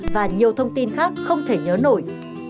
và nhiều thông tin khác không thể nhớ nổi